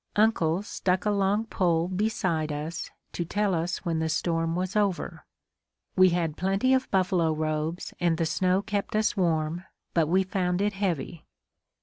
Uncle stuck a long pole beside us to tell us when the storm was over. We had plenty of buffalo robes and the snow kept us warm, but we found it heavy.